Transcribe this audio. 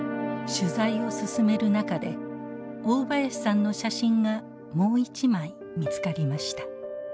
取材を進める中で大林さんの写真がもう一枚見つかりました。